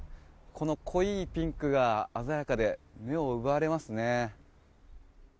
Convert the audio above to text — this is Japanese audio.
濃いピンクが鮮やかで目を奪われますね。